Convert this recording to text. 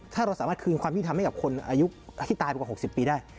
ถ้าเราสามารถคืนความยุติธรรมให้กับคนอายุที่ตายมากว่า๖๐ปีได้